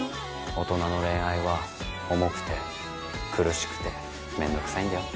大人の恋愛は重くて苦しくてめんどくさいんだよ。